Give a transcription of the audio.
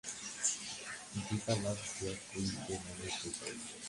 দিপা লাফ দিয়া কুয়াতে নামতে চাইল।